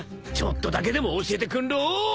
ちょっとだけでも教えてくんろ。